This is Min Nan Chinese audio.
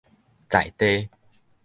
在地